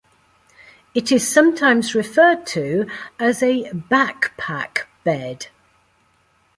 It is sometimes referred to as a "backpack bed".